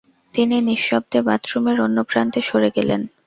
তিনি নিঃশব্দে বাথরুমের অন্য প্রান্তে সরে গেলেন।